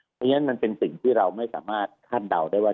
เพราะฉะนั้นมันเป็นสิ่งที่เราไม่สามารถคาดเดาได้ว่า